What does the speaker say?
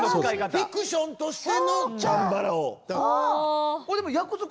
フィクションとしてのチャンバラを。